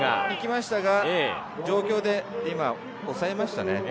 行きましたが、状況で抑えましたね。